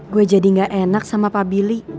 gue jadi gak enak sama pak billy